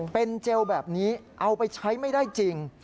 เป็นเจลแบบนี้เอาไปใช้ไม่ได้จริง